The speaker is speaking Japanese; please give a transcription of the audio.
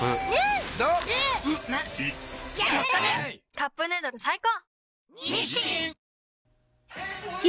「カップヌードル」最高！